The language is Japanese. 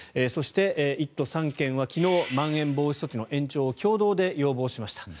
そして、１都３県は昨日まん延防止措置の延長を共同で要望しました。